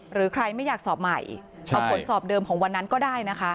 หรือใครไม่อยากสอบใหม่เอาผลสอบเดิมของวันนั้นก็ได้นะคะ